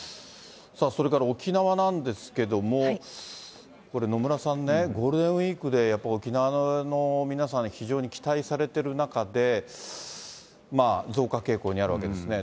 それから沖縄なんですけども、野村さんね、ゴールデンウィークでやっぱり沖縄の皆さん、非常に期待されてる中で、増加傾向にあるわけですね。